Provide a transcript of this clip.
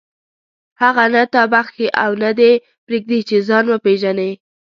هغه نه تا بخښي او نه دې پرېږدي چې ځان وپېژنې.